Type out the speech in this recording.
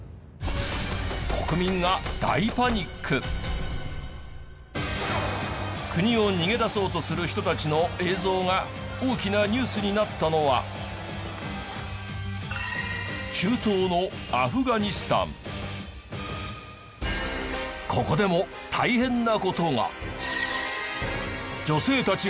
国民が国を逃げ出そうとする人たちの映像が大きなニュースになったのは中東のここでも大変な事が。